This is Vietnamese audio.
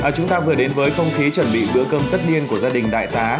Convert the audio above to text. chúng ta vừa đến với không khí chuẩn bị bữa cơm tất niên của gia đình đại tá